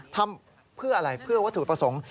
ทำเพื่ออะไรเพื่อวัตถุประสงค์